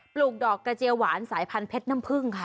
ลูกดอกกระเจียวหวานสายพันธุเพชรน้ำพึ่งค่ะ